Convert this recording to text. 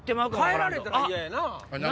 帰られたら嫌やな。